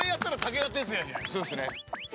そうですね。